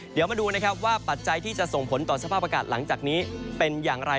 เดี๋ยวมาดูนะครับว่าปัจจัยที่จะส่งผลต่อสภาพอากาศหลังจากนี้เป็นอย่างไร